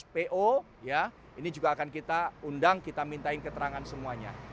po ya ini juga akan kita undang kita minta keterangan semuanya